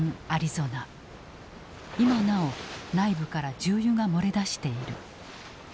今なお内部から重油が漏れ出している。